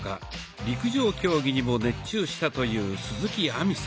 陸上競技にも熱中したという鈴木亜美さん。